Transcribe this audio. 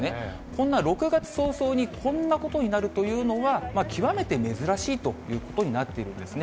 こんな６月早々に、こんなことになるというのは、極めて珍しいということになっているんですね。